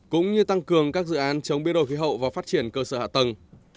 cũng như tăng cường các dự án chống biên đồ khí hậu và phát triển cơ sở hạ tầng